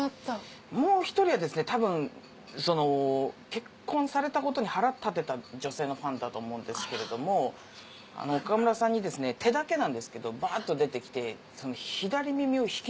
もう１人はたぶん結婚されたことに腹立てた女性のファンだと思うんですけれども岡村さんに手だけなんですけどバっと出てきて。